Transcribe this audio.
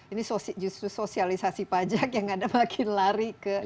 ini justru sosialisasi pajak yang ada makin lari ke